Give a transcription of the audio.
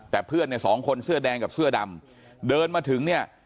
แต่เพื่อนเนี่ยสองคนเสื้อแดงกับเสื้อดำเดินมาถึงเนี่ย